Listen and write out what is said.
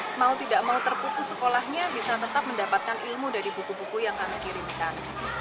karena ini mau tidak mau terputus sekolahnya bisa tetap mendapatkan ilmu dari buku buku yang kami kirimkan